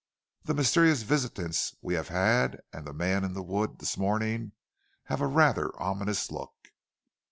The mysterious visitants we have had, and the man in the wood this morning have a rather ominous look."